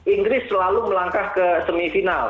inggris selalu melangkah ke semifinal